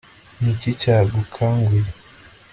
ni iki cyagukanguye